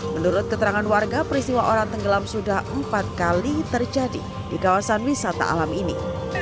menurut keterangan warga peristiwa orang tenggelam sudah empat kali terjadi di kawasan wisata alam ini